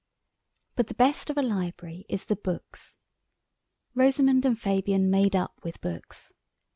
But the best of a library is the books. Rosamund and Fabian made up with books.